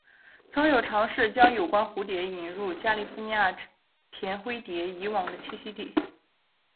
曾有尝试将有关的蝴蝶引入加利福尼亚甜灰蝶以往的栖息地。